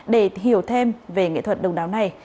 để hiểu thêm về nghệ thuật đồng đáo này